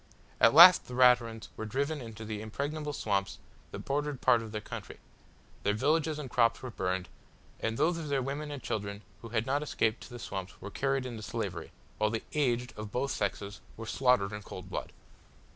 At last the Raturans were driven into the impregnable swamps that bordered part of their country; their villages and crops were burned, and those of their women and children who had not escaped to the swamps were carried into slavery, while the aged of both sexes were slaughtered in cold blood.